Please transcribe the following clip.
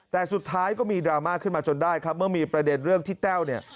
แต่สุดท้ายก็มีดราม่าขึ้นมาจนได้ครับเมื่อมีประเด็นเรื่องที่แต้วเนี่ย